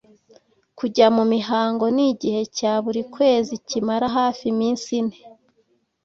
Kujya mu mihango Ni igihe cya buri kwezi kimara hafi iminsi ine